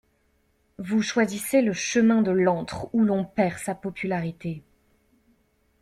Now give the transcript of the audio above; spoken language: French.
Vous choisissez le chemin de l'antre où l'on perd sa popularité!